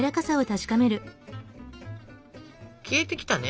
消えてきたね。